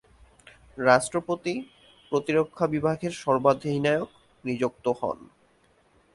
রাষ্ট্রপতি প্রতিরক্ষা বিভাগের সর্বাধিনায়ক নিযুক্ত হন।